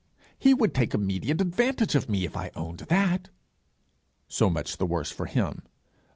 'He would take immediate advantage of me if I owned that.' 'So much the worse for him.